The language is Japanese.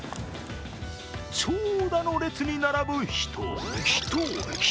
長蛇の列に並ぶ、人、人、人！